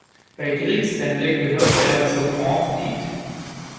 Bei Kriegsende gehörte er zur Grand Fleet.